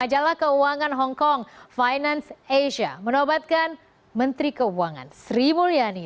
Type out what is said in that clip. majalah keuangan hongkong finance asia menobatkan menteri keuangan sri mulyani